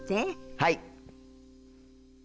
はい。